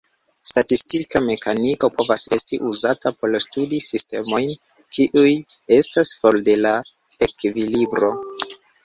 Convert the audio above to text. Statistika mekaniko povas esti uzata por studi sistemojn kiuj estas for de la ekvilibro.